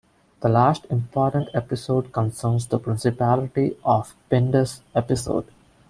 The last important episode concerns the Principality of Pindus episode.